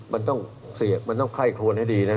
มันต้องเสียบมันต้องไข้ครวนให้ดีนะ